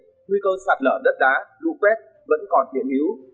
nguy cơ sạt lở đất đá lũ quét vẫn còn hiện hữu